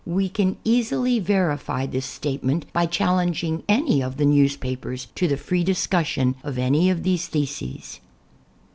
We can easily verify this statement by challenging any of the newspapers to the free discussion of anv of these theses.